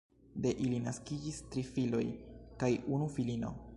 De ili naskiĝis tri filoj kaj unu filino.